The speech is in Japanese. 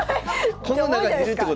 この中にいるってこと？